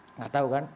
enggak tahu kan